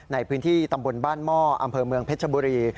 ในพื้นที่ตำบลบ้านหม้ออำเภอเมืองเพชรบุรี